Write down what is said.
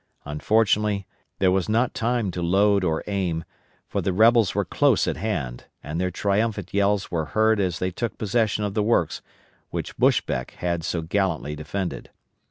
Unfortunately there was not time to load or aim, for the rebels were close at hand, and their triumphant yells were heard as they took possession of the works which Buschbeck had so gallantly defended.